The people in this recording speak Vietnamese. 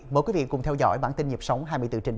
mời quý vị cùng theo dõi bản tin nhập sóng hai mươi bốn h bảy